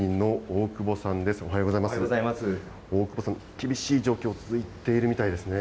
大久保さん、厳しい状況、続いているみたいですね。